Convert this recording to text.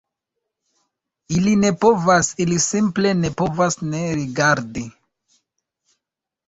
Ili ne povas, ili simple ne povas ne rigardi